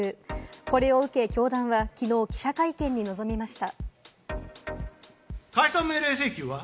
これを受け教団は、きのう記者会見に臨みました。